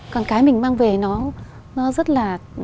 còn cái mình mang về nó rất là